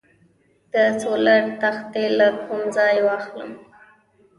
د سولر تختې له کوم ځای واخلم؟